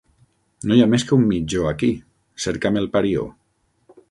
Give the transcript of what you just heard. No hi ha més que un mitjó, aquí: cerca'm el parió.